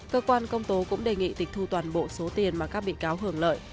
cơ quan công tố cũng đề nghị tịch thu toàn bộ số tiền mà các bị cáo hưởng lợi